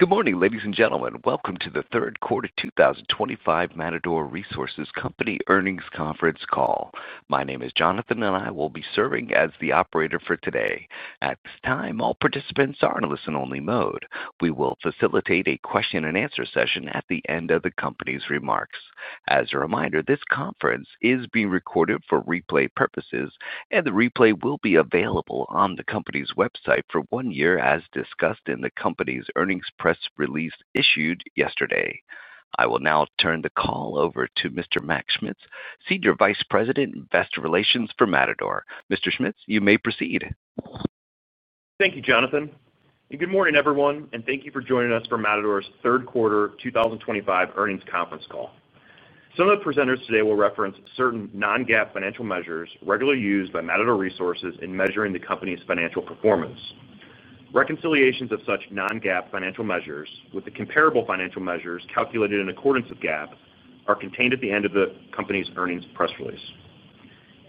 Good morning, ladies and gentlemen. Welcome to the third quarter 2025 Matador Resources Company earnings conference call. My name is Jonathan, and I will be serving as the operator for today. At this time, all participants are in a listen-only mode. We will facilitate a question and answer session at the end of the company's remarks. As a reminder, this conference is being recorded for replay purposes, and the replay will be available on the company's website for one year, as discussed in the company's earnings press release issued yesterday. I will now turn the call over to Mr. Mac Schmitz, Senior Vice President, Investor Relations for Matador. Mr. Schmitz, you may proceed. Thank you, Jonathan, and good morning, everyone, and thank you for joining us for Matador Resources Company's third quarter 2025 earnings conference call. Some of the presenters today will reference certain non-GAAP financial measures regularly used by Matador Resources Company in measuring the company's financial performance. Reconciliations of such non-GAAP financial measures with the comparable financial measures calculated in accordance with GAAP are contained at the end of the company's earnings press release.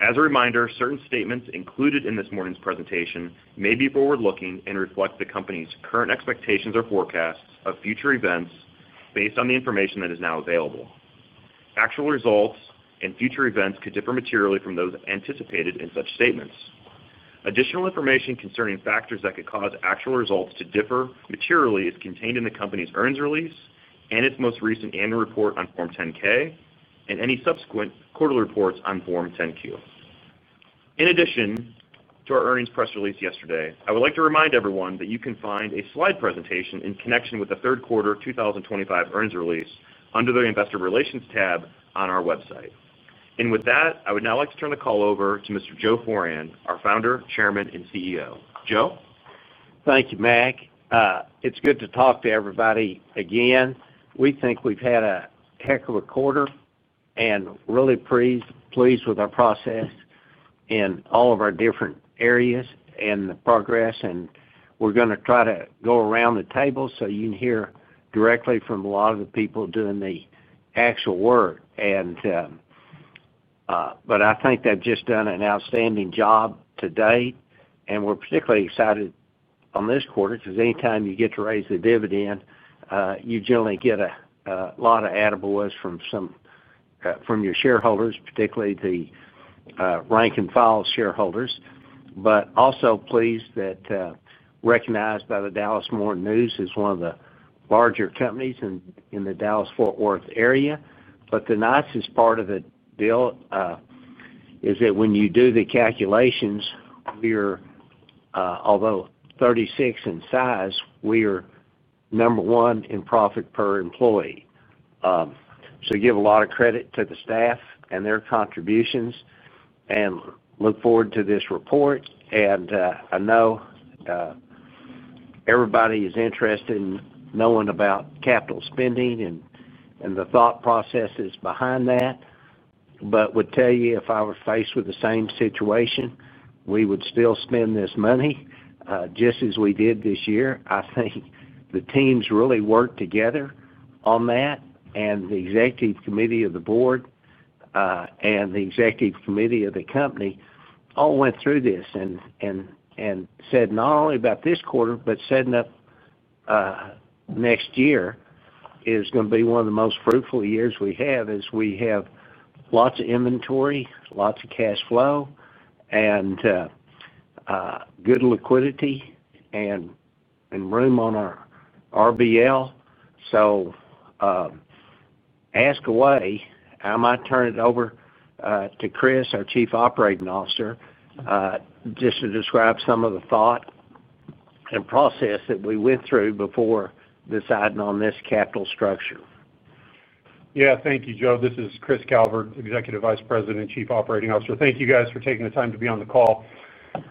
As a reminder, certain statements included in this morning's presentation may be forward-looking and reflect the company's current expectations or forecasts of future events based on the information that is now available. Actual results and future events could differ materially from those anticipated in such statements. Additional information concerning factors that could cause actual results to differ materially is contained in the company's earnings release and its most recent annual report on Form 10-K and any subsequent quarterly reports on Form 10-Q. In addition to our earnings press release yesterday, I would like to remind everyone that you can find a slide presentation in connection with the third quarter 2025 earnings release under the Investor Relations tab on our website. I would now like to turn the call over to Mr. Joseph Wm. Foran, our Founder, Chairman, and CEO. Joe? Thank you, Mac. It's good to talk to everybody again. We think we've had a heck of a quarter and are really pleased with our process in all of our different areas and the progress. We're going to try to go around the table so you can hear directly from a lot of the people doing the actual work. I think they've just done an outstanding job to date, and we're particularly excited on this quarter because anytime you get to raise the dividend, you generally get a lot of attaboys from your shareholders, particularly the rank-and-file shareholders. We're also pleased that we were recognized by the Dallas Morning News as one of the larger companies in the Dallas-Fort Worth area. The nicest part of the deal is that when you do the calculations, we are, although 36 in size, number one in profit per employee. We give a lot of credit to the staff and their contributions and look forward to this report. I know everybody is interested in knowing about capital spending and the thought processes behind that, but would tell you if I were faced with the same situation, we would still spend this money, just as we did this year. I think the teams really worked together on that, and the Executive Committee of the Board and the Executive Committee of the company all went through this and said not only about this quarter, but setting up next year is going to be one of the most fruitful years we have as we have lots of inventory, lots of cash flow, good liquidity, and room on our RBL. Ask away. I might turn it over to Chris, our Chief Operating Officer, just to describe some of the thought and process that we went through before deciding on this capital structure. Yeah, thank you, Joe. This is Chris Calvert, Executive Vice President and Chief Operating Officer. Thank you guys for taking the time to be on the call.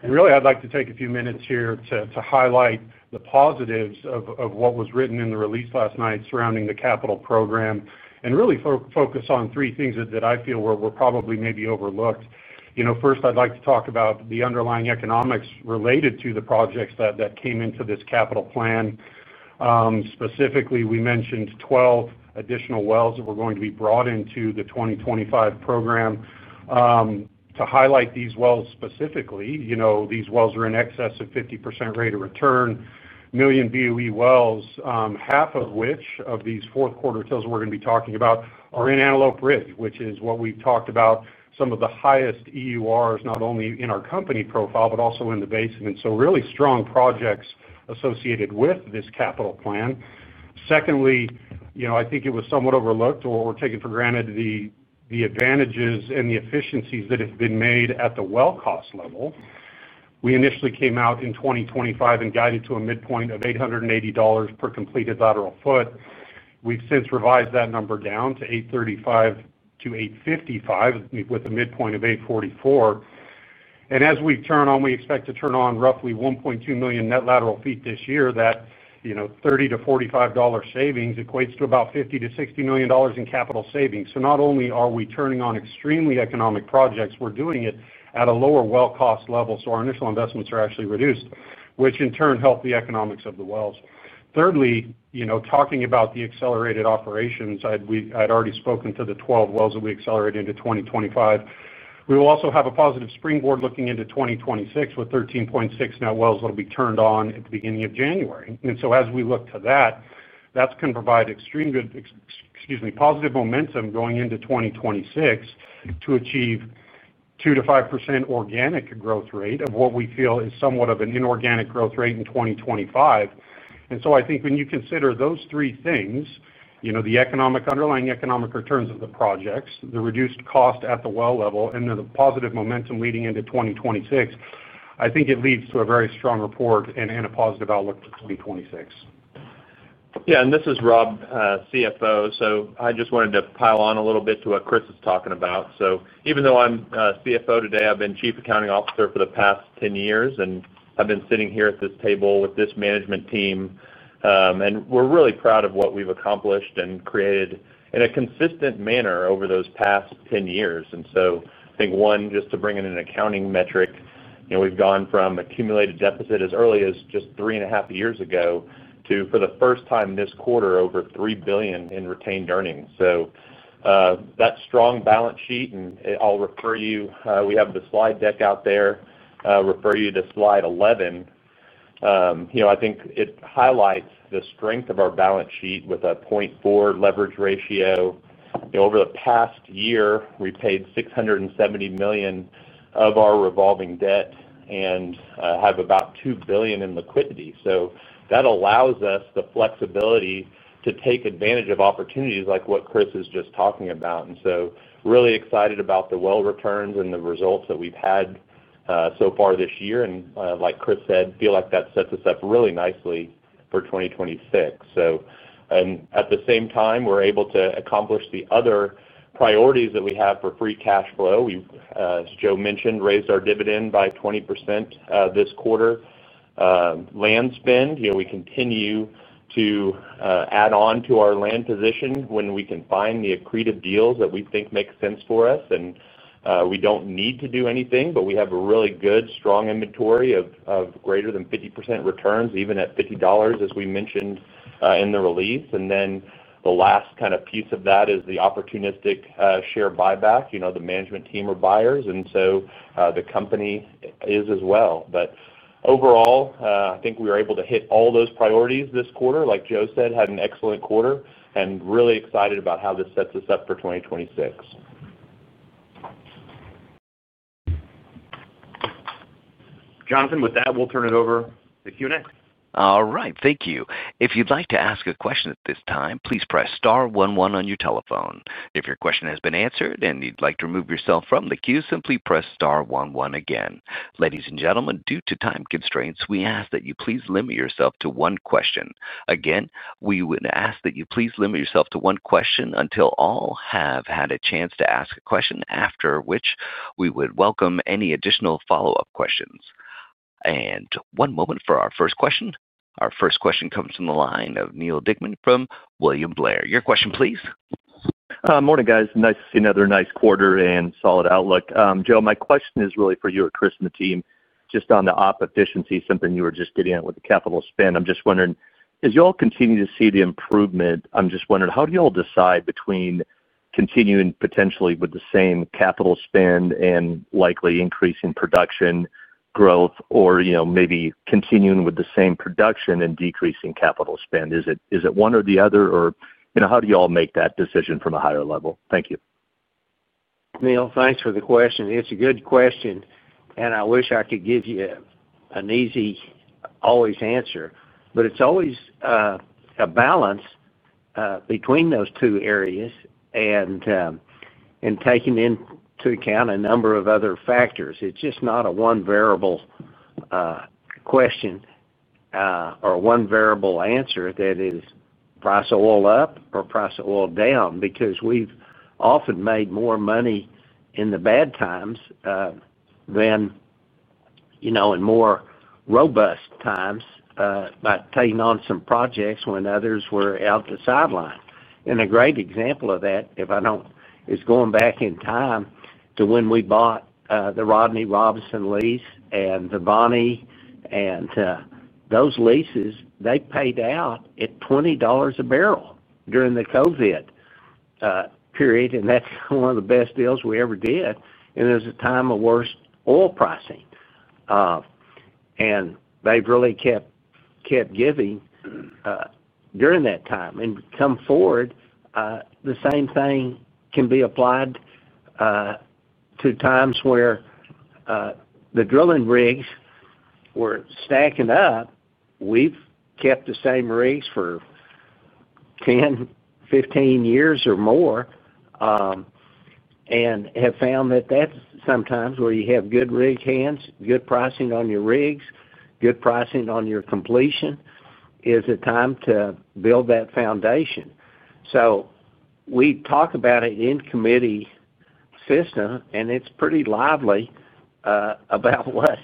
I’d like to take a few minutes here to highlight the positives of what was written in the release last night surrounding the capital program and really focus on three things that I feel were probably maybe overlooked. First, I'd like to talk about the underlying economics related to the projects that came into this capital plan. Specifically, we mentioned 12 additional wells that were going to be brought into the 2025 program. To highlight these wells specifically, these wells are in excess of a 50% rate of return, million BOE wells, half of which of these fourth quarter tills we're going to be talking about are in Antelope Ridge, which is what we've talked about, some of the highest EURs, not only in our company profile, but also in the basin. Really strong projects associated with this capital plan. Secondly, I think it was somewhat overlooked or taken for granted, the advantages and the efficiencies that have been made at the well cost level. We initially came out in 2025 and guided to a midpoint of $880 per completed lateral foot. We've since revised that number down to $835-$855 with a midpoint of $844. As we turn on, we expect to turn on roughly 1.2 million net lateral feet this year. That $30-$45 savings equates to about $50-$60 million in capital savings. Not only are we turning on extremely economic projects, we're doing it at a lower well cost level. Our initial investments are actually reduced, which in turn helps the economics of the wells. Thirdly, talking about the accelerated operations, I'd already spoken to the 12 wells that we accelerated into 2025. We will also have a positive springboard looking into 2026 with 13.6 net wells that will be turned on at the beginning of January. As we look to that, that's going to provide extremely good, excuse me, positive momentum going into 2026 to achieve a 2%-5% organic growth rate of what we feel is somewhat of an inorganic growth rate in 2025. I think when you consider those three things, the underlying economic returns of the projects, the reduced cost at the well level, and then the positive momentum leading into 2026, I think it leads to a very strong report and a positive outlook for 2026. Yeah, and this is Rob, CFO. I just wanted to pile on a little bit to what Chris is talking about. Even though I'm a CFO today, I've been Chief Accounting Officer for the past 10 years, and I've been sitting here at this table with this management team. We're really proud of what we've accomplished and created in a consistent manner over those past 10 years. I think one, just to bring in an accounting metric, we've gone from accumulated deficit as early as just three and a half years ago to, for the first time this quarter, over $3 billion in retained earnings. That strong balance sheet, and I'll refer you, we have the slide deck out there, refer you to slide 11. I think it highlights the strength of our balance sheet with a 0.4 leverage ratio. Over the past year, we paid $670 million of our revolving debt and have about $2 billion in liquidity. That allows us the flexibility to take advantage of opportunities like what Chris is just talking about. I'm really excited about the well returns and the results that we've had so far this year. Like Chris said, I feel like that sets us up really nicely for 2026. At the same time, we're able to accomplish the other priorities that we have for free cash flow. We, as Joe mentioned, raised our dividend by 20% this quarter. Land spend, we continue to add on to our land position when we can find the accretive deals that we think make sense for us. We don't need to do anything, but we have a really good, strong inventory of greater than 50% returns, even at $50, as we mentioned in the release. The last kind of piece of that is the opportunistic share buyback, the management team are buyers. The company is as well. Overall, I think we were able to hit all those priorities this quarter. Like Joe said, had an excellent quarter and really excited about how this sets us up for 2026. Jonathan, with that, we'll turn it over to Q&A. All right, thank you. If you'd like to ask a question at this time, please press star one one on your telephone. If your question has been answered and you'd like to remove yourself from the queue, simply press star one one again. Ladies and gentlemen, due to time constraints, we ask that you please limit yourself to one question. Again, we would ask that you please limit yourself to one question until all have had a chance to ask a question, after which we would welcome any additional follow-up questions. One moment for our first question. Our first question comes from the line of Neil Dickman from William Blair. Your question, please. Morning, guys. Nice to see another nice quarter and solid outlook. Joe, my question is really for you or Chris and the team, just on the op efficiency, something you were just getting at with the capital spend. I'm just wondering, as you all continue to see the improvement, how do you all decide between continuing potentially with the same capital spend and likely increasing production growth, or maybe continuing with the same production and decreasing capital spend? Is it one or the other, or how do you all make that decision from a higher level? Thank you. Neil, thanks for the question. It's a good question, and I wish I could give you an easy, always answer, but it's always a balance between those two areas and taking into account a number of other factors. It's just not a one variable question or a one variable answer that is price oil up or price oil down because we've often made more money in the bad times than, you know, in more robust times by taking on some projects when others were out the sideline. A great example of that, if I don't, is going back in time to when we bought the Rodney Robinson lease and the Bonnie and those leases, they paid out at $20 a barrel during the COVID period. That's one of the best deals we ever did. It was a time of worst oil pricing, and they've really kept giving during that time. Come forward, the same thing can be applied to times where the drilling rigs were stacking up. We've kept the same rigs for 10, 15 years or more and have found that that's sometimes where you have good rig hands, good pricing on your rigs, good pricing on your completion is a time to build that foundation. We talk about it in committee, CISTA, and it's pretty lively about what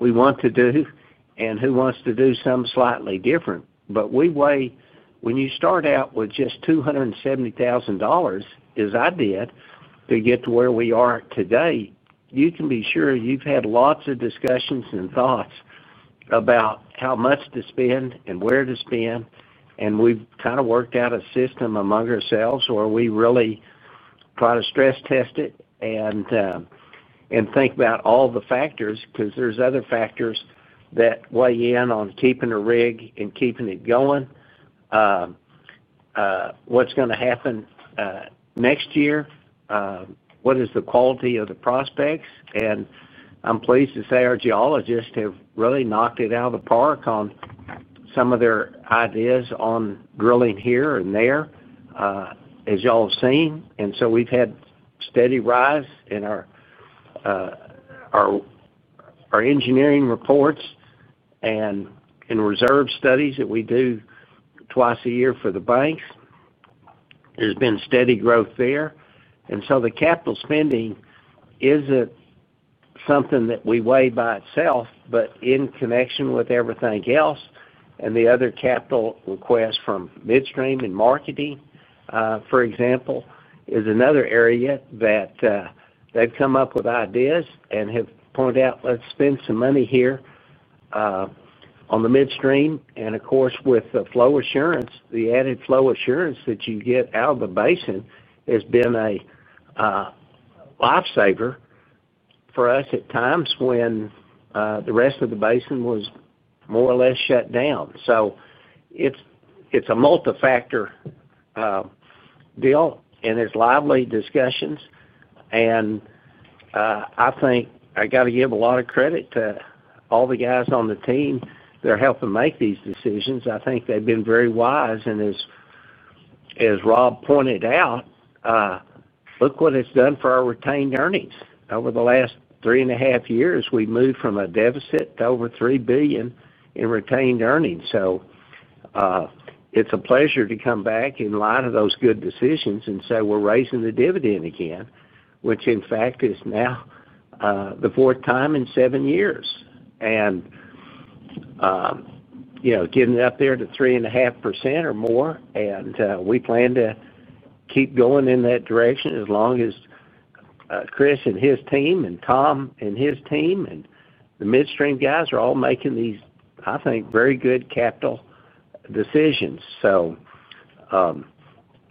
we want to do and who wants to do something slightly different. We weigh, when you start out with just $270,000, as I did, to get to where we are today, you can be sure you've had lots of discussions and thoughts about how much to spend and where to spend. We've kind of worked out a system among ourselves where we really try to stress test it and think about all the factors because there's other factors that weigh in on keeping a rig and keeping it going. What's going to happen next year? What is the quality of the prospects? I'm pleased to say our geologists have really knocked it out of the park on some of their ideas on drilling here and there, as you all have seen. We've had a steady rise in our engineering reports and in reserve studies that we do twice a year for the banks. There's been steady growth there. The capital spending isn't something that we weigh by itself, but in connection with everything else and the other capital requests from midstream and marketing, for example, is another area that they've come up with ideas and have pointed out, let's spend some money here on the midstream. Of course, with the flow assurance, the added flow assurance that you get out of the basin has been a lifesaver for us at times when the rest of the basin was more or less shut down. It's a multifactor deal and it's lively discussions. I think I got to give a lot of credit to all the guys on the team that are helping make these decisions. I think they've been very wise. As Rob pointed out, look what it's done for our retained earnings. Over the last three and a half years, we've moved from a deficit to over $3 billion in retained earnings. It's a pleasure to come back in light of those good decisions and say we're raising the dividend again, which in fact is now the fourth time in seven years, getting it up there to 3.5% or more. We plan to keep going in that direction as long as Chris and his team and Tom and his team and the midstream guys are all making these, I think, very good capital decisions.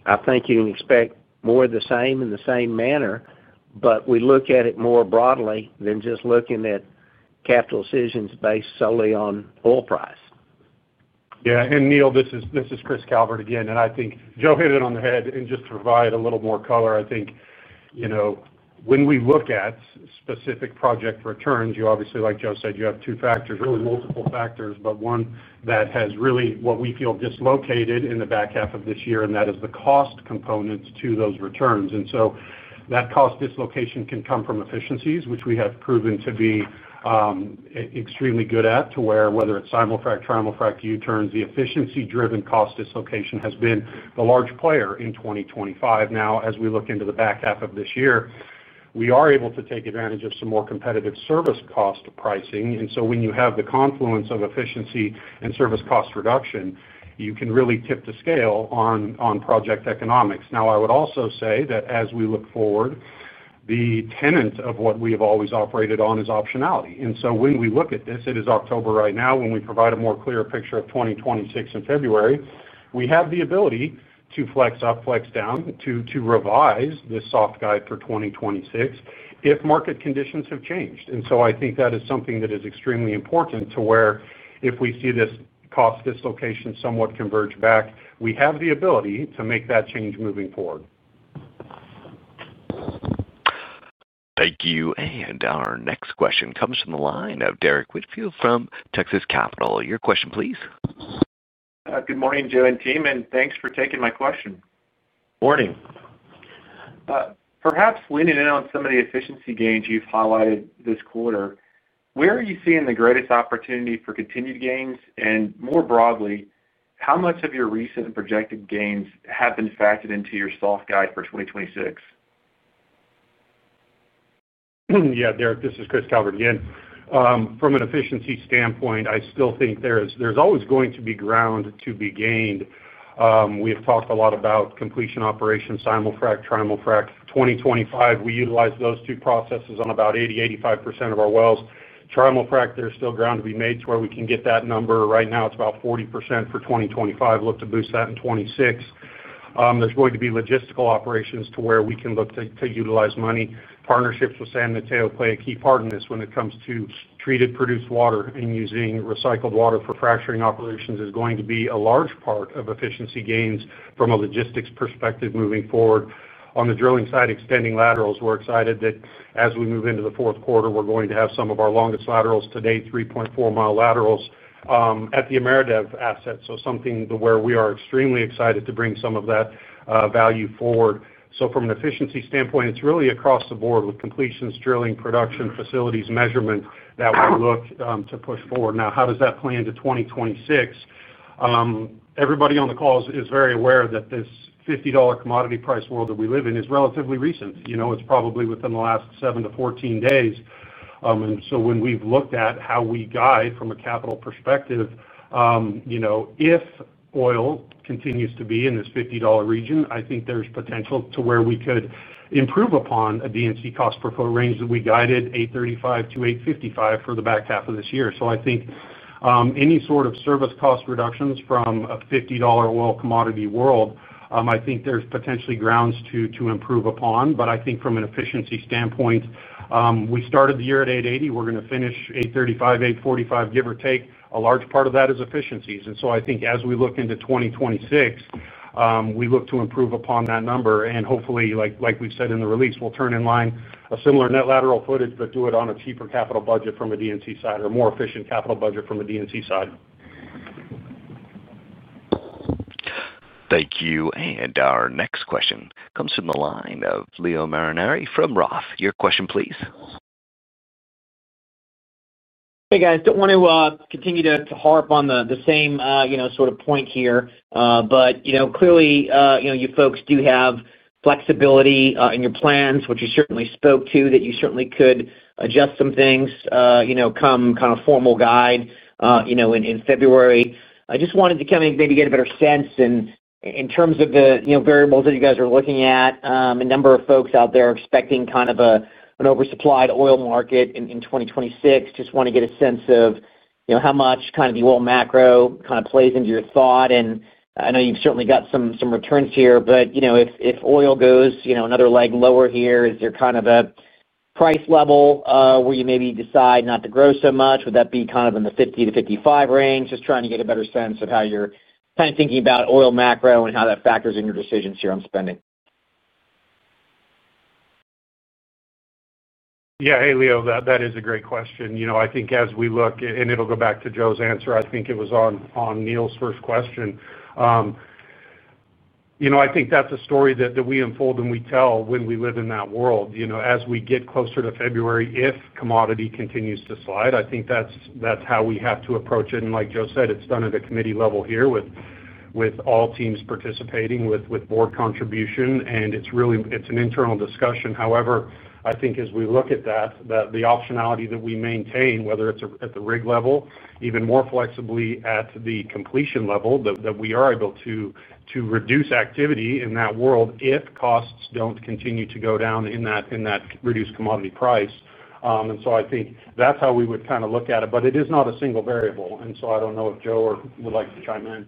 I think you can expect more of the same in the same manner, but we look at it more broadly than just looking at capital decisions based solely on oil price. Yeah, Neil, this is Chris Calvert again. I think Joe hit it on the head. Just to provide a little more color, I think when we look at specific project returns, you obviously, like Joe said, have two factors, really multiple factors, but one that has really, what we feel, dislocated in the back half of this year, and that is the cost components to those returns. That cost dislocation can come from efficiencies, which we have proven to be extremely good at, to where, whether it's simul-frac, trim-frac, U-turns, the efficiency-driven cost dislocation has been the large player in 2025. Now, as we look into the back half of this year, we are able to take advantage of some more competitive service cost pricing. When you have the confluence of efficiency and service cost reduction, you can really tip the scale on project economics. I would also say that as we look forward, the tenet of what we have always operated on is optionality. When we look at this, it is October right now. When we provide a more clear picture of 2026 in February, we have the ability to flex up, flex down, to revise this soft guide for 2026 if market conditions have changed. I think that is something that is extremely important to where, if we see this cost dislocation somewhat converge back, we have the ability to make that change moving forward. Thank you. Our next question comes from the line of Derek Whitfield from Texas Capital. Your question, please. Good morning, Joe and team, and thanks for taking my question. Morning. Perhaps leaning in on some of the efficiency gains you've highlighted this quarter, where are you seeing the greatest opportunity for continued gains? More broadly, how much of your recent projected gains have been factored into your soft guide for 2026? Yeah, Derek, this is Chris Calvert again. From an efficiency standpoint, I still think there is always going to be ground to be gained. We have talked a lot about completion operations, simul-frac, trim-frac. In 2025, we utilize those two processes on about 80%-85% of our wells. Trim-frac, there's still ground to be made to where we can get that number. Right now, it's about 40% for 2025. Look to boost that in 2026. There are going to be logistical operations where we can look to utilize money. Partnerships with San Mateo play a key part in this when it comes to treated, produced water, and using recycled water for fracturing operations is going to be a large part of efficiency gains from a logistics perspective moving forward. On the drilling side, extending laterals, we're excited that as we move into the fourth quarter, we're going to have some of our longest laterals to date, 3.4 mi laterals, at the AmeriDev asset. We are extremely excited to bring some of that value forward. From an efficiency standpoint, it's really across the board with completions, drilling, production, facilities, measurement that we look to push forward. Now, how does that play into 2026? Everybody on the call is very aware that this $50 commodity price world that we live in is relatively recent. It's probably within the last 7 to 14 days. When we've looked at how we guide from a capital perspective, if oil continues to be in this $50 region, I think there's potential to improve upon a D&C cost per foot range that we guided $835-$855 for the back half of this year. I think any sort of service cost reductions from a $50 oil commodity world, I think there's potentially grounds to improve upon. From an efficiency standpoint, we started the year at $880. We're going to finish $835, $845, give or take. A large part of that is efficiencies. As we look into 2026, we look to improve upon that number. Hopefully, like we've said in the release, we'll turn in line a similar net lateral footage, but do it on a cheaper capital budget from a D&C side or a more efficient capital budget from a D&C side. Thank you. Our next question comes from the line of Leo Mariani from Roth. Your question, please. Hey, guys. Don't want to continue to harp on the same sort of point here, but you know, clearly, you folks do have flexibility in your plans, which you certainly spoke to, that you certainly could adjust some things, you know, come kind of formal guide, you know, in February. I just wanted to maybe get a better sense in terms of the variables that you guys are looking at. A number of folks out there are expecting kind of an oversupplied oil market in 2026. Just want to get a sense of how much the oil macro kind of plays into your thought. I know you've certainly got some returns here, but if oil goes another leg lower here, is there kind of a price level where you maybe decide not to grow so much? Would that be in the $50-$55 range? Just trying to get a better sense of how you're thinking about oil macro and how that factors in your decisions here on spending. Yeah. Hey, Leo, that is a great question. I think as we look, and it will go back to Joe's answer, I think it was on Neil's first question. I think that's a story that we unfold and we tell when we live in that world. As we get closer to February, if commodity continues to slide, I think that's how we have to approach it. Like Joe said, it's done at a committee level here with all teams participating with board contribution. It's really an internal discussion. I think as we look at that, the optionality that we maintain, whether it's at the rig level, even more flexibly at the completion level, we are able to reduce activity in that world if costs don't continue to go down in that reduced commodity price. I think that's how we would kind of look at it. It is not a single variable. I don't know if Joe would like to chime in.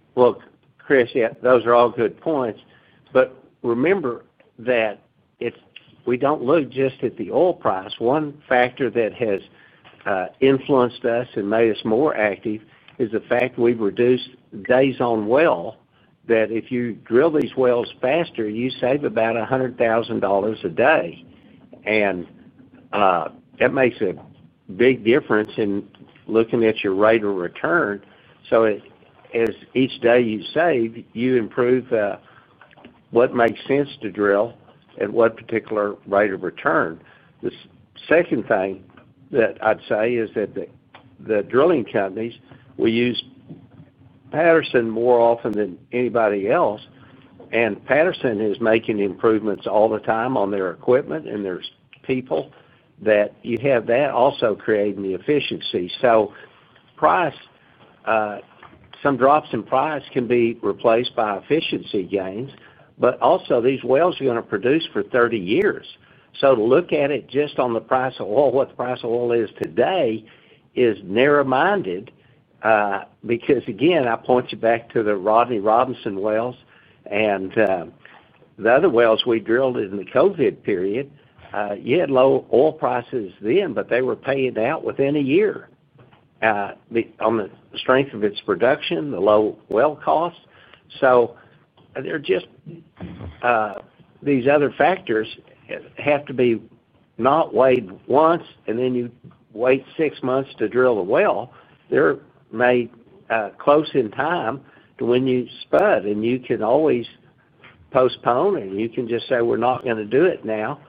Chris, those are all good points. Remember that we don't look just at the oil price. One factor that has influenced us and made us more active is the fact we've reduced days on well. If you drill these wells faster, you save about $100,000 a day. That makes a big difference in looking at your rate of return. Each day you save, you improve what makes sense to drill at what particular rate of return. The second thing that I'd say is that the drilling companies, we use Patterson more often than anybody else. Patterson is making improvements all the time on their equipment and their people, creating the efficiency. Price, some drops in price can be replaced by efficiency gains. These wells are going to produce for 30 years. To look at it just on the price of oil, what the price of oil is today is narrow-minded, because again, I point you back to the Rodney Robinson wells and the other wells we drilled in the COVID period. You had low oil prices then, but they were paying out within a year, on the strength of its production, the low well cost. These other factors have to be not weighed once and then you wait six months to drill the well. They're made close in time to when you spud. You can always postpone it. You can just say we're not going to do it now.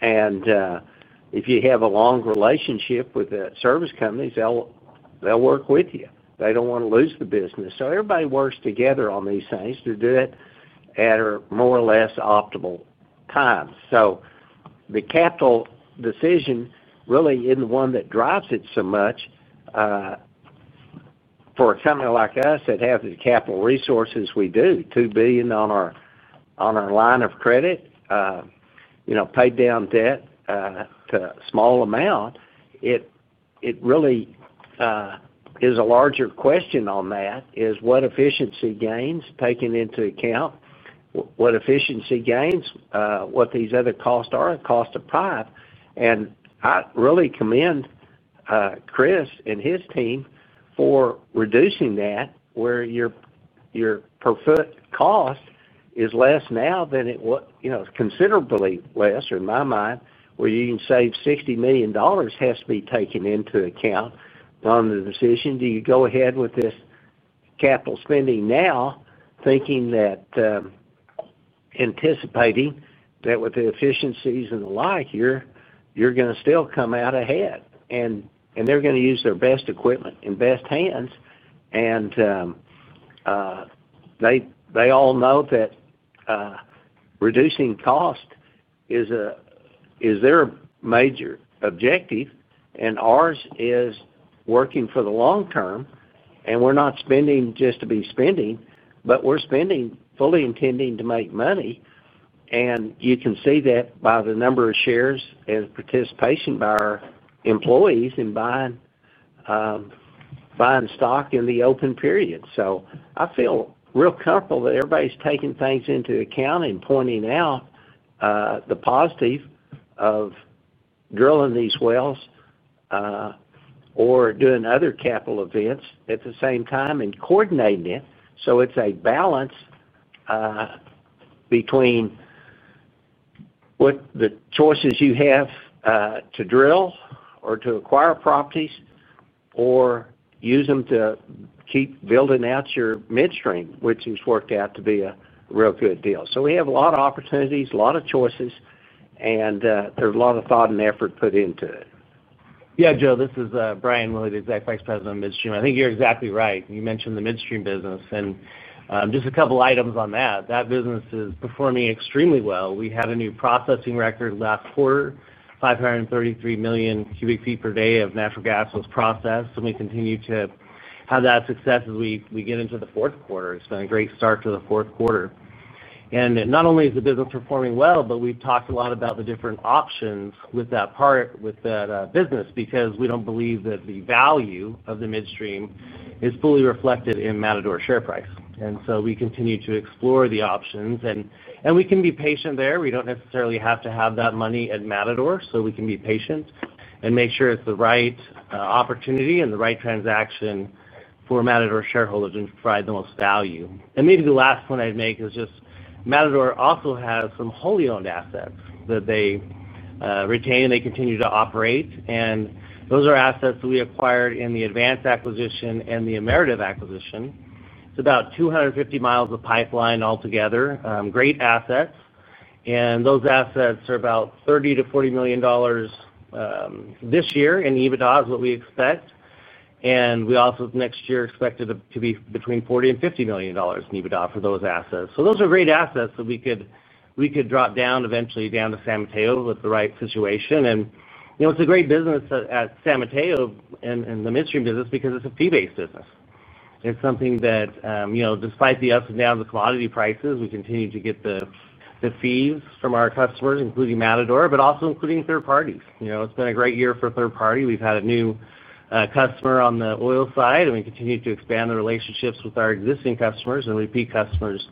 If you have a long relationship with the service companies, they'll work with you. They don't want to lose the business. Everybody works together on these things to do it at a more or less optimal time. The capital decision really isn't the one that drives it so much. For a company like us that has the capital resources, we do $2 billion on our line of credit, paid down debt to a small amount. It really is a larger question on that is what efficiency gains taken into account, what efficiency gains, what these other costs are, and cost of profit. I really commend Chris and his team for reducing that where your profit cost is less now than it was, considerably less in my mind, where you can save $60 million has to be taken into account on the decision. Do you go ahead with this capital spending now thinking that, anticipating that with the efficiencies and the like here, you're going to still come out ahead? They're going to use their best equipment and best hands. They all know that reducing cost is a major objective. Ours is working for the long term. We're not spending just to be spending, but we're spending fully intending to make money. You can see that by the number of shares and participation by our employees in buying stock in the open period. I feel real comfortable that everybody's taking things into account and pointing out the positive of drilling these wells, or doing other capital events at the same time and coordinating it. It's a balance between what the choices you have to drill or to acquire properties or use them to keep building out your midstream, which has worked out to be a real good deal. We have a lot of opportunities, a lot of choices, and there's a lot of thought and effort put into it. Yeah, Joe, this is Bryan Willey, the Executive Vice President of Midstream. I think you're exactly right. You mentioned the midstream business. Just a couple of items on that. That business is performing extremely well. We had a new processing record last quarter. 533 million cu ft per day of natural gas was processed. We continue to have that success as we get into the fourth quarter. It's been a great start to the fourth quarter. Not only is the business performing well, we've talked a lot about the different options with that part, with that business, because we don't believe that the value of the midstream is fully reflected in Matador's share price. We continue to explore the options. We can be patient there. We don't necessarily have to have that money at Matador. We can be patient and make sure it's the right opportunity and the right transaction for Matador shareholders to provide the most value. Maybe the last point I'd make is just Matador also has some wholly owned assets that they retain and they continue to operate. Those are assets that we acquired in the Advance Acquisition and the AmeriDev Acquisition. It's about 250 miles of pipeline altogether. Great assets. Those assets are about $30-$40 million this year in EBITDA is what we expect. We also, next year, expect it to be between $40 and $50 million in EBITDA for those assets. Those are great assets that we could drop down eventually down to San Mateo with the right situation. It's a great business at San Mateo and in the midstream business because it's a fee-based business. It's something that, despite the ups and downs of commodity prices, we continue to get the fees from our customers, including Matador, but also including third parties. It's been a great year for third party. We've had a new customer on the oil side, and we continue to expand the relationships with our existing customers and repeat customers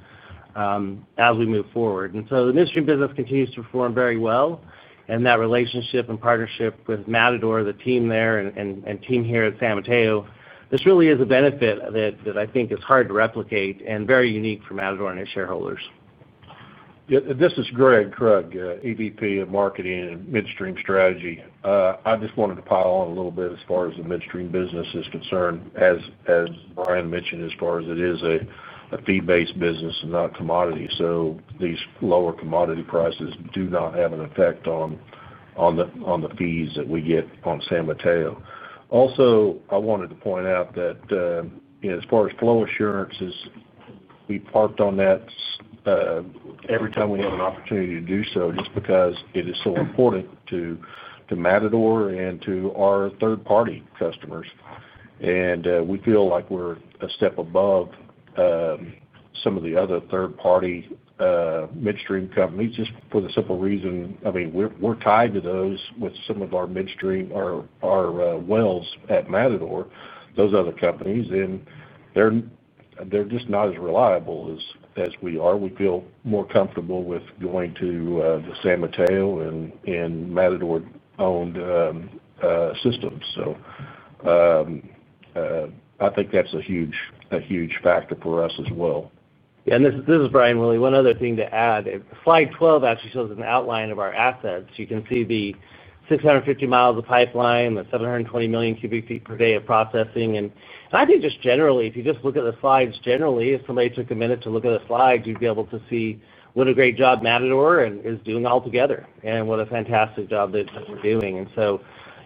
as we move forward. The midstream business continues to perform very well. That relationship and partnership with Matador, the team there, and team here at San Mateo, this really is a benefit that I think is hard to replicate and very unique for Matador and its shareholders. Yeah, this is Greg Krug, AVP of Marketing and Midstream Strategy. I just wanted to pile on a little bit as far as the midstream business is concerned. As Bryan Willey mentioned, as far as it is a fee-based business and not commodity. These lower commodity prices do not have an effect on the fees that we get on San Mateo. Also, I wanted to point out that, you know, as far as flow assurances, we harp on that every time we have an opportunity to do so, just because it is so important to Matador and to our third-party customers. We feel like we're a step above some of the other third-party midstream companies just for the simple reason, I mean, we're tied to those with some of our midstream or our wells at Matador, those other companies, and they're just not as reliable as we are. We feel more comfortable with going to the San Mateo and Matador-owned systems. I think that's a huge factor for us as well. Yeah, this is Brian Willey. One other thing to add. Slide 12 actually shows an outline of our assets. You can see the 650 miles of pipeline, the 720 million cubic feet per day of processing. I think just generally, if you just look at the slides generally, if somebody took a minute to look at the slides, you'd be able to see what a great job Matador is doing altogether and what a fantastic job that we're doing.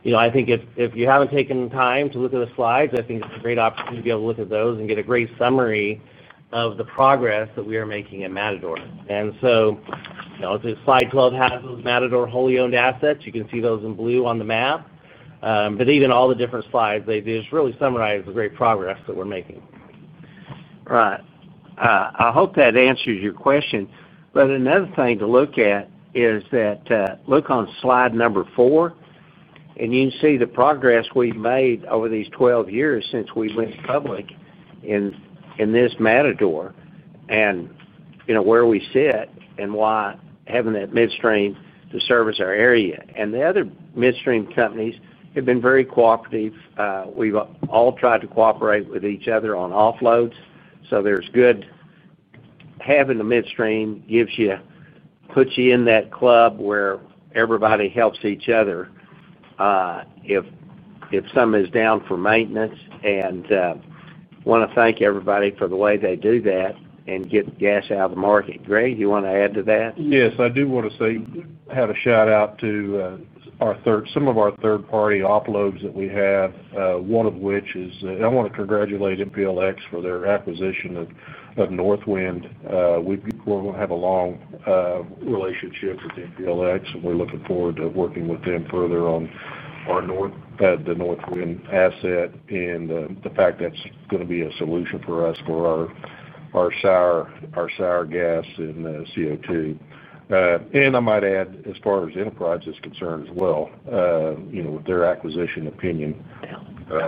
I think if you haven't taken time to look at the slides, I think it's a great opportunity to be able to look at those and get a great summary of the progress that we are making in Matador. If slide 12 has those Matador wholly owned assets, you can see those in blue on the map. Even all the different slides, they just really summarize the great progress that we're making. Right. I hope that answers your question. Another thing to look at is that, look on slide number four, and you can see the progress we've made over these 12 years since we went public in this Matador, and, you know, where we sit and why having that midstream to service our area. The other midstream companies have been very cooperative. We've all tried to cooperate with each other on offloads. Having the midstream gives you, puts you in that club where everybody helps each other if some is down for maintenance, and I want to thank everybody for the way they do that and get gas out of the market. Greg, do you want to add to that? Yes, I do want to say, had a shout out to our third, some of our third-party offloads that we have, one of which is, I want to congratulate MPLX for their acquisition of Northwind. We're going to have a long relationship with MPLX, and we're looking forward to working with them further on our north, the Northwind asset and the fact that's going to be a solution for us for our sour gas and CO2. I might add, as far as Enterprise is concerned as well, you know, with their acquisition opinion. Yeah, that's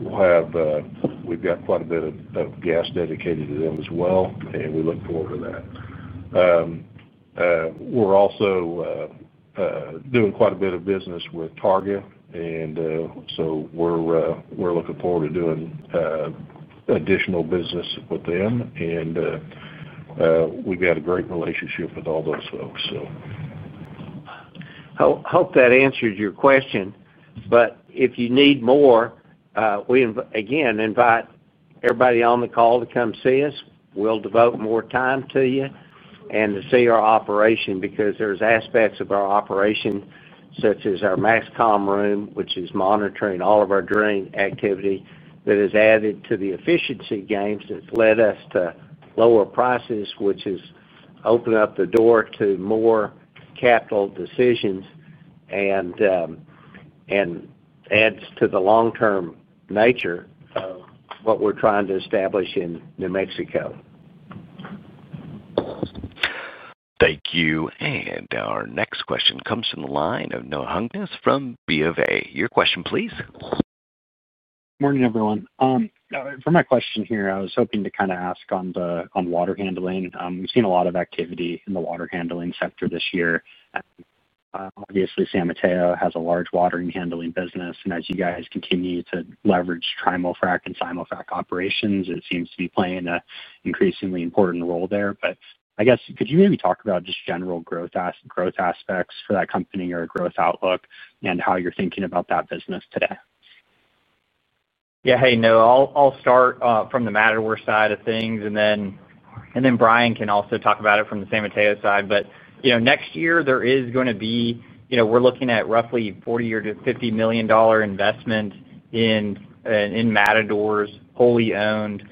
important. We've got quite a bit of gas dedicated to them as well, and we look forward to that. We're also doing quite a bit of business with Target, and we're looking forward to doing additional business with them. We've got a great relationship with all those folks. Hope that answered your question. But if you need more, we again invite everybody on the call to come see us. We'll devote more time to you and to see our operation because there's aspects of our operation such as our Maxcom room, which is monitoring all of our drilling activity, that has added to the efficiency gains that led us to lower prices, which has opened up the door to more capital decisions and adds to the long-term nature of what we're trying to establish in New Mexico. Thank you. Our next question comes from the line of Neil Hunknes from B of A. Your question, please. Morning, everyone. For my question here, I was hoping to kind of ask on the water handling. We've seen a lot of activity in the water handling sector this year. Obviously, San Mateo has a large water handling business. As you guys continue to leverage trim-frac and simul-frac operations, it seems to be playing an increasingly important role there. Could you maybe talk about just general growth aspects for that company or a growth outlook and how you're thinking about that business today? Yeah, hey, Neil, I'll start from the Matador side of things. Brian can also talk about it from the San Mateo side. Next year, there is going to be, you know, we're looking at roughly $40 to $50 million investment in Matador's wholly owned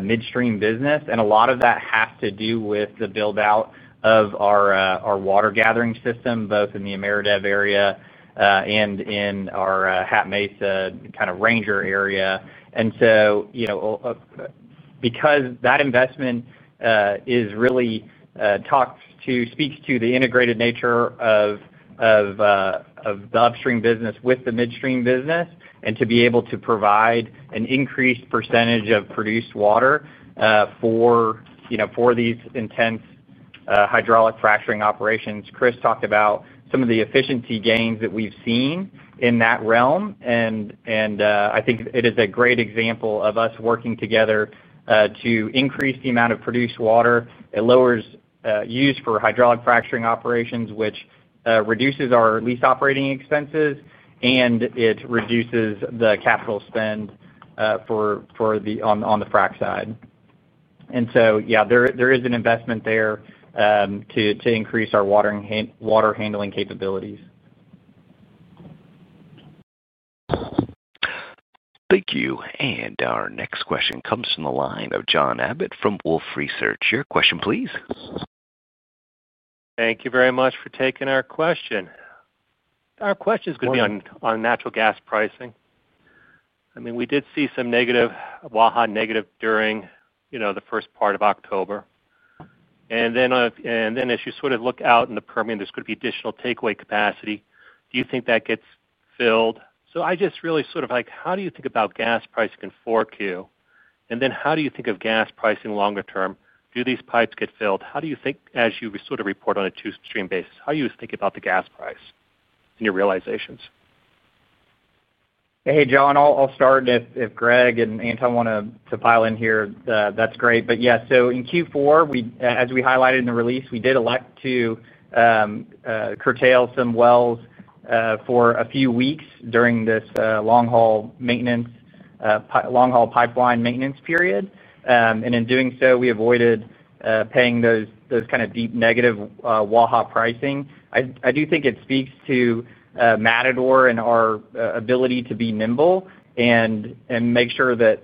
midstream business. A lot of that has to do with the build-out of our water gathering system, both in the AmeriDev area and in our Hat Mesa kind of ranger area. That investment speaks to the integrated nature of the upstream business with the midstream business and to being able to provide an increased percentage of produced water for these intense hydraulic fracturing operations. Chris Calvert talked about some of the efficiency gains that we've seen in that realm. I think it is a great example of us working together to increase the amount of produced water. It lowers use for hydraulic fracturing operations, which reduces our lease operating expenses, and it reduces the capital spend on the fract side. There is an investment there to increase our water handling capabilities. Thank you. Our next question comes from the line of John Abbott from Wolf Research. Your question, please. Thank you very much for taking our question. Our question is going to be on natural gas pricing. I mean, we did see some negative Waha negative during the first part of October. As you sort of look out in the Permian, there's going to be additional takeaway capacity. Do you think that gets filled? I just really sort of like, how do you think about gas pricing in 4Q? How do you think of gas pricing longer term? Do these pipes get filled? How do you think as you sort of report on a two-stream basis? How do you think about the gas price and your realizations? Hey, John, I'll start. If Greg and Anton want to pile in here, that's great. In Q4, as we highlighted in the release, we did elect to curtail some wells for a few weeks during this long-haul pipeline maintenance period. In doing so, we avoided paying those kind of deep negative Waha pricing. I do think it speaks to Matador Resources Company and our ability to be nimble and make sure that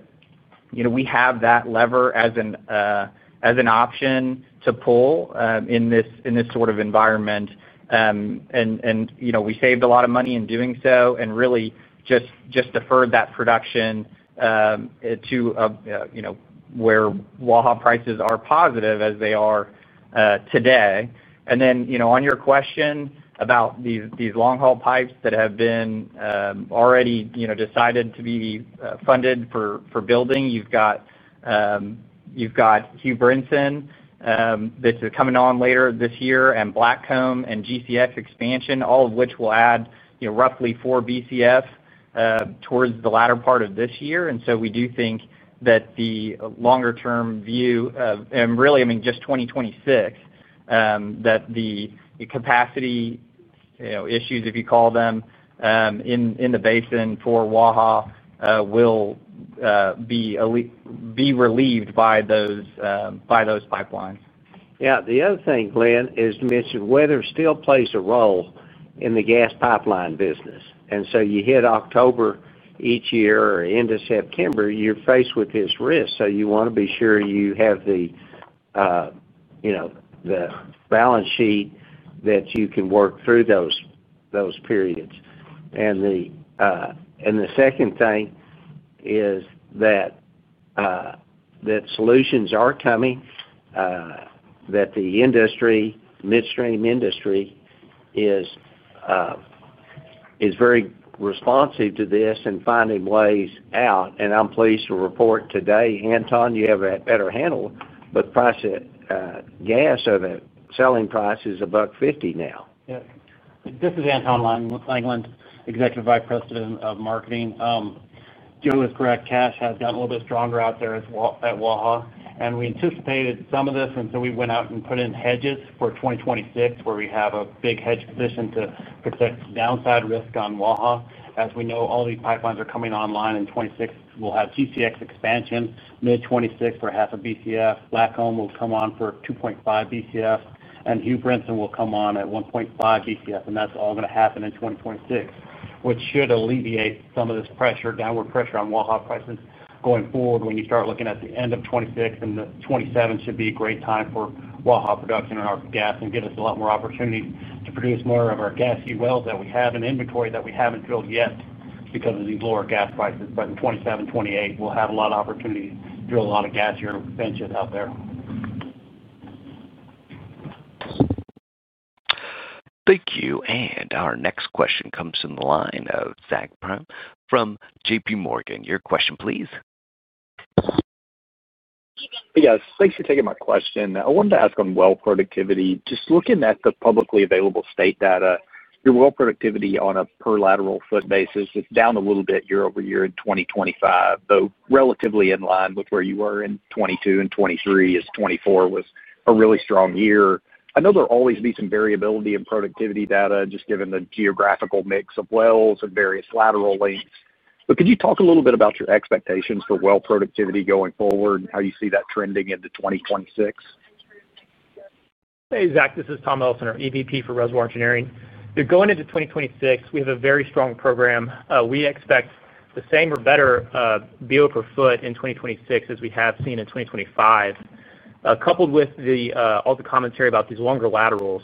we have that lever as an option to pull in this sort of environment. We saved a lot of money in doing so and really just deferred that production to where Waha prices are positive as they are today. On your question about these long-haul pipes that have already been decided to be funded for building, you've got Hue Brinson that's coming on later this year and Blackcomb and GCX expansion, all of which will add roughly four BCF towards the latter part of this year. We do think that the longer-term view of, and really, I mean, just 2026, that the capacity issues, if you call them, in the basin for Waha will be relieved by those pipelines. Yeah, the other thing, Glenn, is weather still plays a role in the gas pipeline business. You hit October each year or end of September, you're faced with this risk. You want to be sure you have the balance sheet that you can work through those periods. The second thing is that solutions are coming, that the midstream industry is very responsive to this and finding ways out. I'm pleased to report today, Anton, you have a better handle with gas or the selling price is $1.50 now. Yeah. This is Anton Langland, Executive Vice President of Marketing. Joe is correct. Cash has gotten a little bit stronger out there at Waha. We anticipated some of this, and we went out and put in hedges for 2026 where we have a big hedge position to protect downside risk on Wahaha. As we know, all these pipelines are coming online in 2026. We'll have GCX expansion mid-2026 for half a BCF. Blackcomb will come on for 2.5 BCF. Hugh Brinson will come on at 1.5 BCF. That's all going to happen in 2026, which should alleviate some of this pressure, downward pressure on Wahaha prices going forward when you start looking at the end of 2026. The 2027 should be a great time for Wahaha production in our gas and give us a lot more opportunities to produce more of our gas fuel wells that we have in inventory that we haven't drilled yet because of these lower gas prices. In 2027, 2028, we'll have a lot of opportunities to drill a lot of gasier benches out there. Thank you. Our next question comes from the line of Zach Parham from JP Morgan. Your question, please. Hey, guys. Thanks for taking my question. I wanted to ask on well productivity. Just looking at the publicly available state data, your well productivity on a per lateral foot basis is down a little bit year over year in 2025, though relatively in line with where you were in 2022 and 2023 as 2024 was a really strong year. I know there will always be some variability in productivity data just given the geographical mix of wells and various lateral lengths. Could you talk a little bit about your expectations for well productivity going forward and how you see that trending into 2026? Hey, Zach. This is Tom Elsener, our EVP for Reservoir Engineering. Going into 2026, we have a very strong program. We expect the same or better BO per foot in 2026 as we have seen in 2025. Coupled with all the commentary about these longer laterals,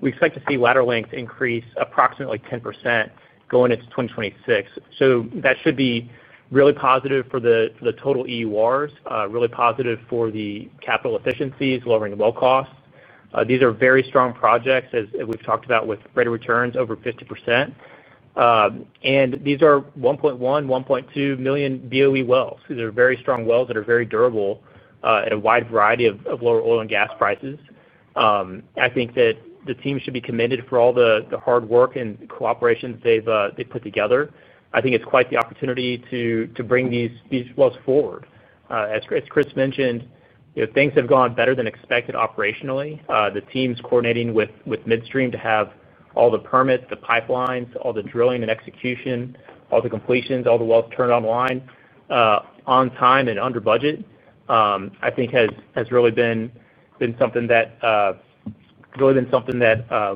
we expect to see lateral length increase approximately 10% going into 2026. That should be really positive for the total EURs, really positive for the capital efficiencies, lowering well costs. These are very strong projects, as we've talked about with rate of returns over 50%. These are $1.1 million, $1.2 million BOE wells. These are very strong wells that are very durable at a wide variety of lower oil and gas prices. I think that the team should be commended for all the hard work and cooperation they've put together. I think it's quite the opportunity to bring these wells forward. As Chris mentioned, things have gone better than expected operationally. The teams coordinating with midstream to have all the permits, the pipelines, all the drilling and execution, all the completions, all the wells turned online on time and under budget, I think has really been something that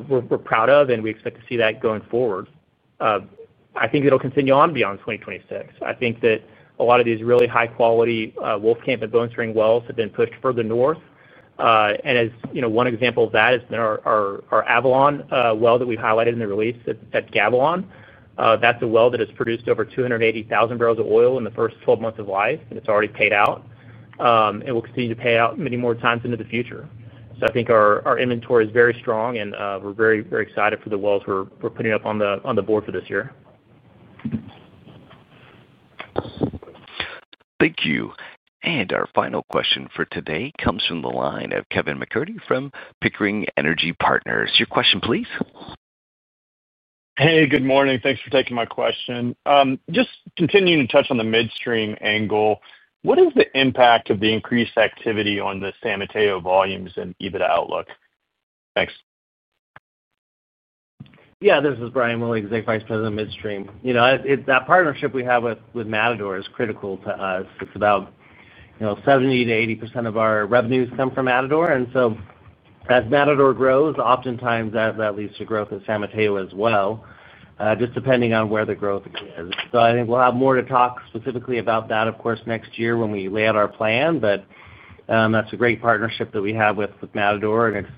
we're proud of, and we expect to see that going forward. I think it'll continue on beyond 2026. I think that a lot of these really high-quality Wolfcamp and Bone Spring wells have been pushed further north. As you know, one example of that has been our Avalon well that we've highlighted in the release at Gavilon. That's a well that has produced over 280,000 barrels of oil in the first 12 months of life, and it's already paid out. It will continue to pay out many more times into the future. I think our inventory is very strong, and we're very, very excited for the wells we're putting up on the board for this year. Thank you. Our final question for today comes from the line of Kevin MacCurdy from Pickering Energy Partners. Your question, please. Hey, good morning. Thanks for taking my question. Just continuing to touch on the midstream angle, what is the impact of the increased activity on the San Mateo volumes and EBITDA outlook? Thanks. Yeah, this is Bryan Willey, Executive Vice President of Midstream. You know, that partnership we have with Matador is critical to us. It's about 70%-80% of our revenues come from Matador. As Matador grows, oftentimes that leads to growth in San Mateo as well, just depending on where the growth is. I think we'll have more to talk specifically about that, of course, next year when we lay out our plan. That's a great partnership that we have with Matador. It's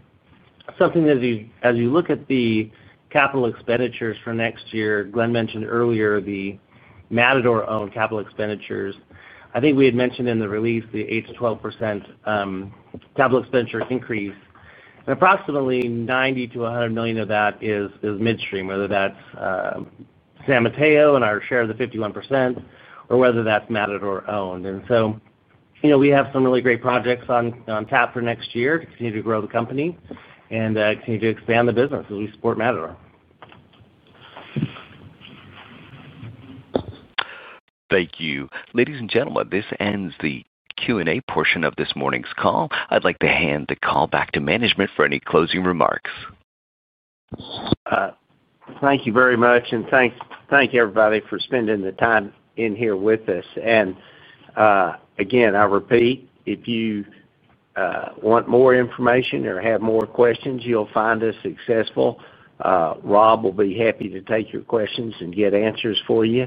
something that, as you look at the capital expenditures for next year, Glenn mentioned earlier the Matador-owned capital expenditures. I think we had mentioned in the release the 8%-12% capital expenditure increase. Approximately $90 million-$100 million of that is midstream, whether that's San Mateo and our share of the 51% or whether that's Matador owned. We have some really great projects on tap for next year to continue to grow the company and continue to expand the business as we support Matador. Thank you. Ladies and gentlemen, this ends the Q&A portion of this morning's call. I'd like to hand the call back to management for any closing remarks. Thank you very much. Thank everybody for spending the time in here with us. Again, I repeat, if you want more information or have more questions, you'll find us successful. Rob will be happy to take your questions and get answers for you.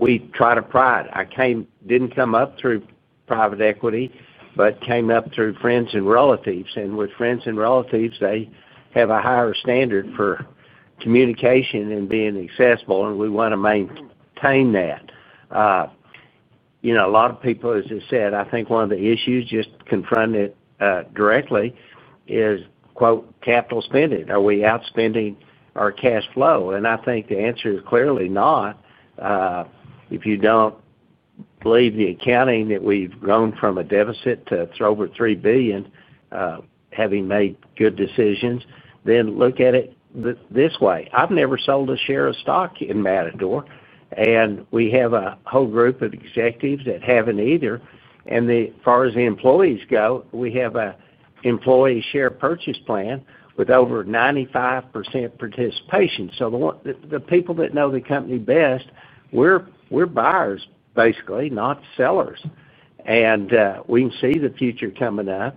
We try to pride. I didn't come up through private equity, but came up through friends and relatives. With friends and relatives, they have a higher standard for communication and being accessible. We want to maintain that. You know, a lot of people, as I said, I think one of the issues just confronted directly is, quote, capital spending. Are we outspending our cash flow? I think the answer is clearly not. If you don't believe the accounting that we've grown from a deficit to over $3 billion, having made good decisions, then look at it this way. I've never sold a share of stock in Matador. We have a whole group of executives that haven't either. As far as the employees go, we have an employee share purchase plan with over 95% participation. The people that know the company best, we're buyers, basically, not sellers. We can see the future coming up.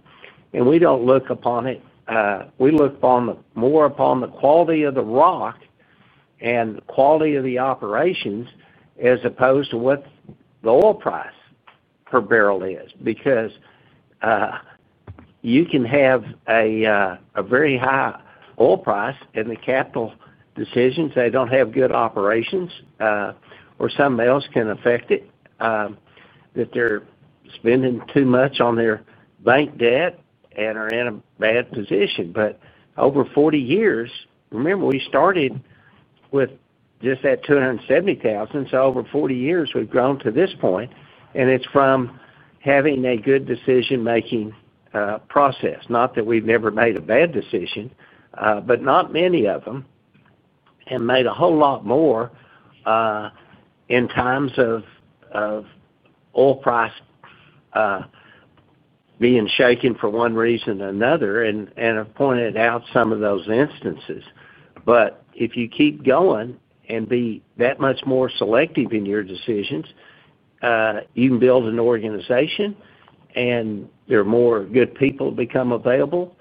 We don't look upon it. We look more upon the quality of the rock and the quality of the operations as opposed to what the oil price per barrel is because you can have a very high oil price and the capital decisions that don't have good operations, or something else can affect it, that they're spending too much on their bank debt and are in a bad position. Over 40 years, remember, we started with just that $270,000. Over 40 years, we've grown to this point. It's from having a good decision-making process. Not that we've never made a bad decision, but not many of them. Made a whole lot more in times of oil price being shaken for one reason or another. I've pointed out some of those instances. If you keep going and be that much more selective in your decisions, you can build an organization and there are more good people to become available.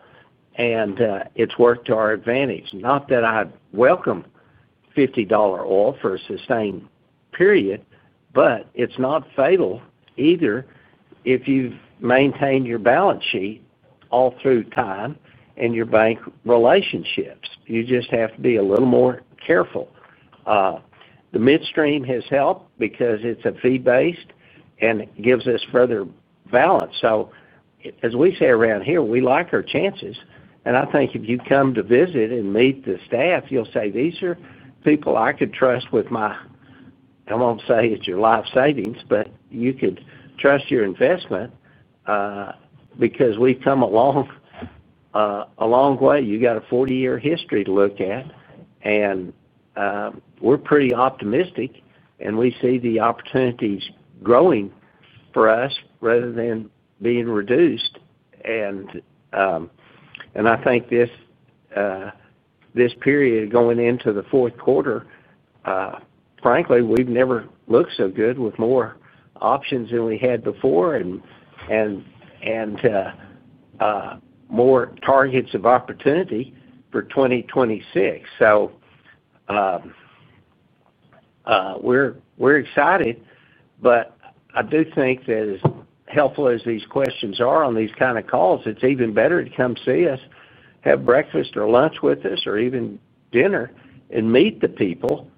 It's worked to our advantage. Not that I welcome $50 oil for a sustained period, but it's not fatal either if you've maintained your balance sheet all through time and your bank relationships. You just have to be a little more careful. The midstream has helped because it's fee-based and it gives us further balance. As we say around here, we like our chances. I think if you come to visit and meet the staff, you'll say these are people I could trust with my, I won't say it's your life savings, but you could trust your investment, because we've come a long way. You got a 40-year history to look at. We're pretty optimistic. We see the opportunities growing for us rather than being reduced. I think this period going into the fourth quarter, frankly, we've never looked so good with more options than we had before and more targets of opportunity for 2026. We're excited. I do think that as helpful as these questions are on these kind of calls, it's even better to come see us, have breakfast or lunch with us, or even dinner and meet the people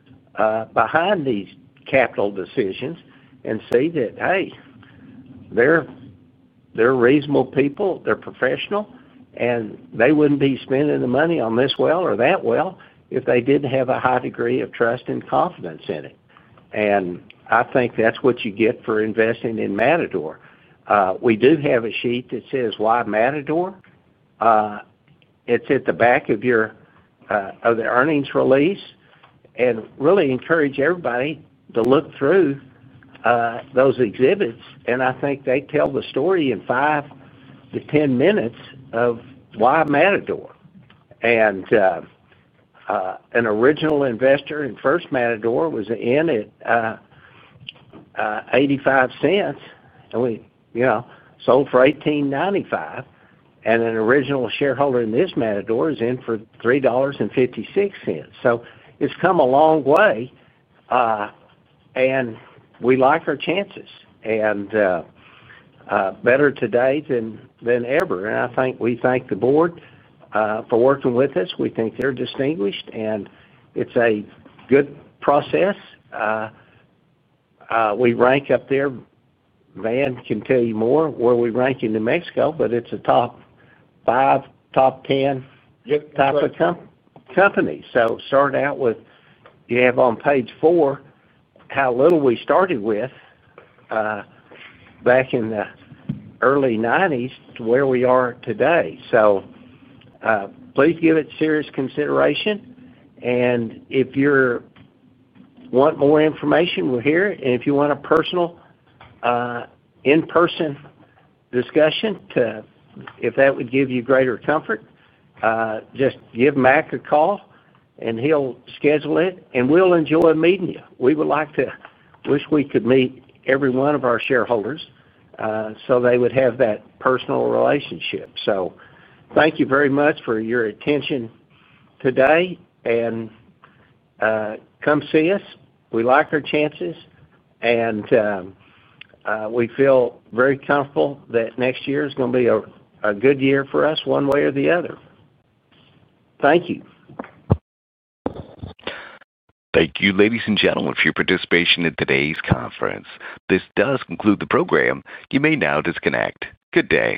behind these capital decisions and see that, hey, they're reasonable people. They're professional. They wouldn't be spending the money on this well or that well if they didn't have a high degree of trust and confidence in it. I think that's what you get for investing in Matador Resources Company. We do have a sheet that says why Matador. It's at the back of your, of the earnings release. I really encourage everybody to look through those exhibits. I think they tell the story in 5 to 10 minutes of why Matador. An original investor in First Matador was in at $0.85. We, you know, sold for $18.95. An original shareholder in this Matador is in for $3.56. It's come a long way. We like our chances. Better today than ever. I think we thank the board for working with us. We think they're distinguished. It's a good process. We rank up there. Van can tell you more where we rank in New Mexico, but it's a top 5, top 10 type of company. Start out with you have on page four how little we started with back in the early 1990s to where we are today. Please give it serious consideration. If you want more information, we're here. If you want a personal, in-person discussion, if that would give you greater comfort, just give Mac a call and he'll schedule it. We'll enjoy meeting you. We would like to wish we could meet every one of our shareholders, so they would have that personal relationship. Thank you very much for your attention today. Come see us. We like our chances. We feel very comfortable that next year is going to be a good year for us one way or the other. Thank you. Thank you, ladies and gentlemen, for your participation in today's conference. This does conclude the program. You may now disconnect. Good day.